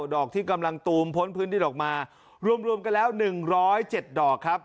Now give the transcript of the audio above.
ดอกที่กำลังตูมพ้นพื้นดินออกมารวมกันแล้ว๑๐๗ดอกครับ